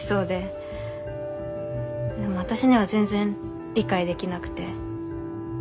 でも私には全然理解できなくて。